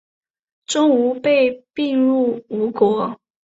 钟吾被并入吴国。